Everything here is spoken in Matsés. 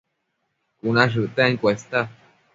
Cuna shëcten cuesta